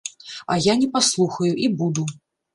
А я не паслухаю і буду.